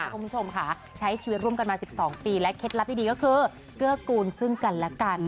คุณผู้ชมค่ะใช้ชีวิตร่วมกันมา๑๒ปีและเคล็ดลับดีก็คือเกื้อกูลซึ่งกันและกัน